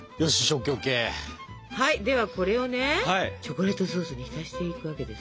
はいではこれをねチョコレートソースに浸していくわけですよ。